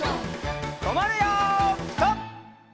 とまるよピタ！